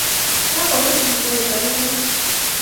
Kakome simoit raa kemo